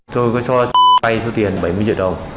tôi có cho chết vai cho tiền bảy mươi triệu đồng